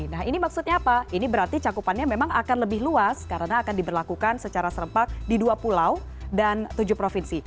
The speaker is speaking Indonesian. nah ini maksudnya apa ini berarti cakupannya memang akan lebih luas karena akan diberlakukan secara serempak di dua pulau dan tujuh provinsi